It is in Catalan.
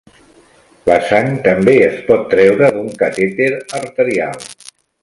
La sang també es pot treure d'un catèter arterial.